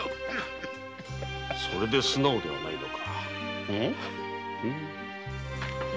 それで素直ではないのか。